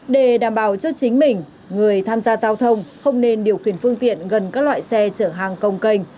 để đảm bảo cho chính mình người tham gia giao thông không nên điều khiển phương tiện gần các loại xe chở hàng công canh